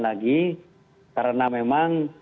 lagi karena memang